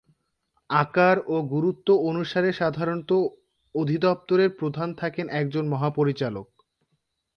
আকার ও গুরুত্ব অনুসারে সাধারণত অধিদপ্তরের প্রধান থাকেন একজন মহাপরিচালক।